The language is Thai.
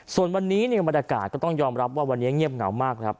ส่วนวันนี้เนี่ยบรรยากาศก็ต้องยอมรับว่าวันนี้เงียบเหงามากครับ